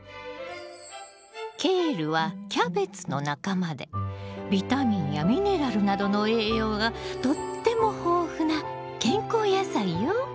ケールはキャベツの仲間でビタミンやミネラルなどの栄養がとっても豊富な健康野菜よ。